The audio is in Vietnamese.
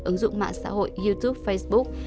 ứng dụng mạng xã hội youtube facebook